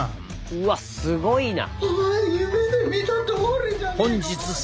うわすごいな。